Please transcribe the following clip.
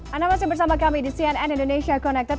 anda masih bersama kami di cnn indonesia connected